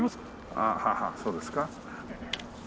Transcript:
ああはあそうですか。